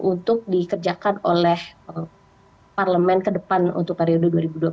untuk dikerjakan oleh parlemen kedepan untuk periode dua ribu dua puluh empat dua ribu dua puluh sembilan